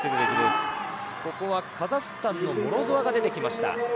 ここはカザフスタンのモロゾワが出てきました。